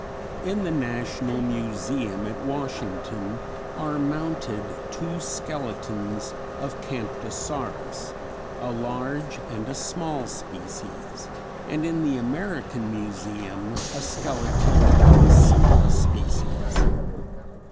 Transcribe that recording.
In the National Museum at Washington, are mounted two skeletons of Camptosaurus, a large and a small species, and in the American Museum a skeleton of a small species.